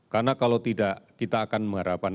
karena kalau tidak kita akan mengharapkan